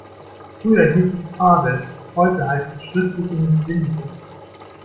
Früher hieß es Tadel, heute heißt es schriftliche Missbilligung.